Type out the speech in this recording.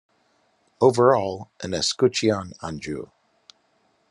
Overall an escutcheon Anjou.